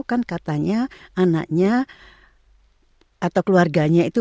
kan katanya anaknya atau keluarganya itu